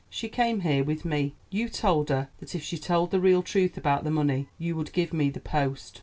She came here with me. You told her that if she told the real truth about the money you would give me the post.